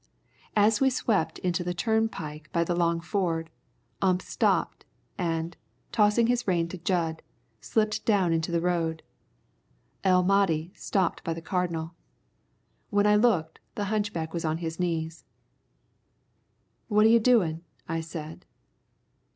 As we swept into the turnpike by the long ford, Ump stopped, and, tossing his rein to Jud, slipped down into the road. El Mahdi stopped by the Cardinal. When I looked, the hunchback was on his knees. "What are you doing?" I said.